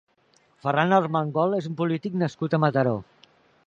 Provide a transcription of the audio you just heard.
Ferran Armengol és un polític nascut a Mataró.